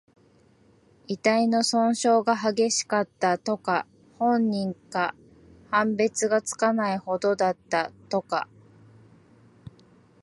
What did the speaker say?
遺体の損傷が激しかった、とか。本人か判別がつかないほどだった、とか。